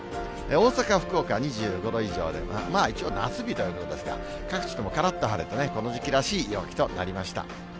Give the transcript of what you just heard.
大阪、福岡は２５度以上で、まあ、一応夏日ということですが、各地ともからっと晴れて、この時期らしい陽気となりました。